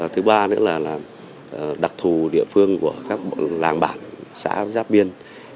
thứ ba nữa là đặc thù địa phương của các làng bản xã giáp biên